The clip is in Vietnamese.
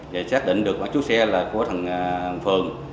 và xác định được mặt chú xe là của thằng phường